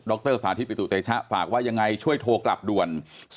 รสาธิตปิตุเตชะฝากว่ายังไงช่วยโทรกลับด่วน